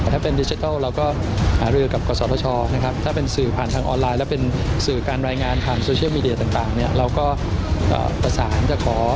ถ้าเป็นดิจิทัลเราก็หารือกับกศธชนะครับถ้าเป็นสื่อผ่านทางออนไลน์แล้วเป็นสื่อการรายงานผ่านโซเชียลมีเดียต่างเนี่ยเราก็ประสานจะขอ